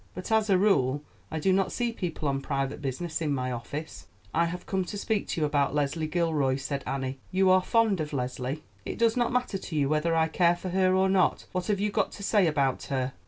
But, as a rule, I do not see people on private business in my office." "I have come to speak to you about Leslie Gilroy," said Annie. "You are fond of Leslie?" "It does not matter to you whether I care for her or not. What have you got to say about her?"